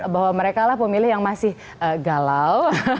bahwa mereka lah pemilih yang masih galau